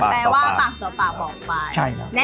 แปลว่าปากต่อปากบอกไป